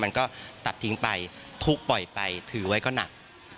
มันก็ตัดทิ้งไปทุกข์ปล่อยไปถือไว้ก็หนัก